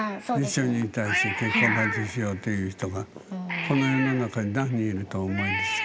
一緒にいたいし結婚までしようっていう人がこの世の中に何人いるとお思いですか？